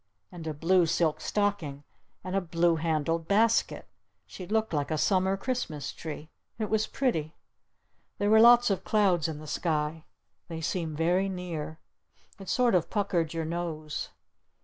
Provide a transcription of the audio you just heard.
And a blue silk stocking! And a blue handled basket! She looked like a Summer Christmas Tree. It was pretty. There were lots of clouds in the sky. They seemed very near. It sort of puckered your nose.